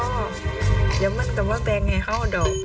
เดี๋ยวแต่มาแบ่งให้เอาดอก